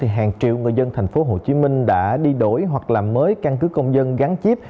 hàng triệu người dân tp hcm đã đi đổi hoặc làm mới căn cứ công dân gắn chip